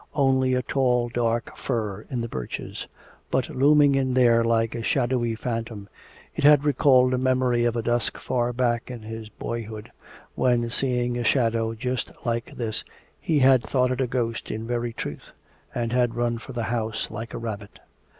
Only a tall dark fir in the birches. But looming in there like a shadowy phantom it had recalled a memory of a dusk far back in his boyhood, when seeing a shadow just like this he had thought it a ghost in very truth and had run for the house like a rabbit!